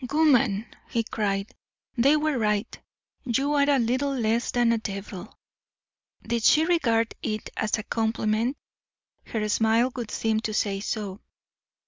"Woman," he cried, "they were right; you are little less than a devil." Did she regard it as a compliment? Her smile would seem to say so.